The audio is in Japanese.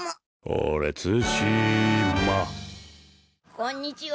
こんにちは。